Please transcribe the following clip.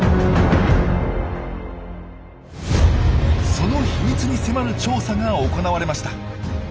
その秘密に迫る調査が行われました。